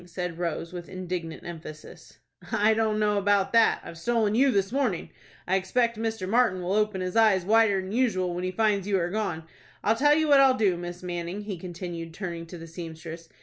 said Rose, with indignant emphasis. "I don't know about that. I've stolen you this mornin'. I expect Mr. Martin will open his eyes wider'n usual when he finds you are gone. I'll tell you what I'll do, Miss Manning," he continued, turning to the seamstress.